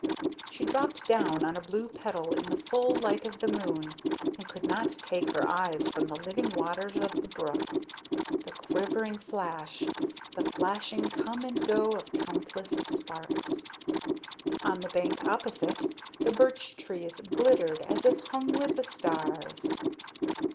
She dropped down on a blue petal in the full light of the moon and could not take her eyes from the living waters of the brook, the quivering flash, the flashing come and go of countless sparks. On the bank opposite, the birch trees glittered as if hung with the stars.